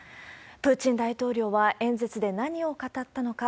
プーチン大統領は演説で何を語ったのか。